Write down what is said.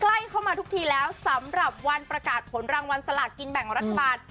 ใกล้เข้ามาทุกทีแล้วสำหรับวันประกาศผลรางวัลสลากกินแบ่งรัฐบาล